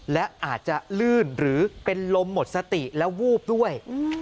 และอาจจะลื่นหรือเป็นลมหมดสติและวูบด้วย